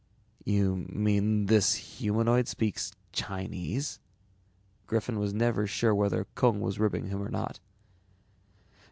"You mean this humanoid speaks Chinese?" Griffin was never sure whether Kung was ribbing him or not.